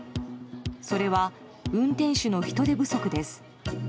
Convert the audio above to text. それは、運転手の人手不足です。